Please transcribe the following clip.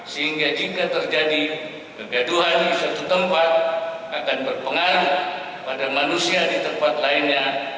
sehingga jika terjadi kegaduhan di suatu tempat akan berpengaruh pada manusia di tempat lainnya